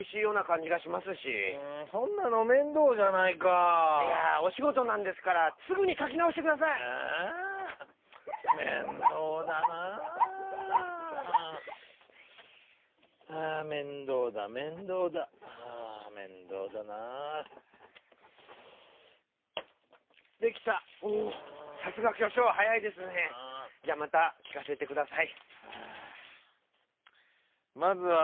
じゃまたきかせてください。